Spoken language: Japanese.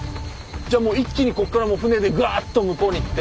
じゃもう一気にここからもう船でガッと向こうに行って。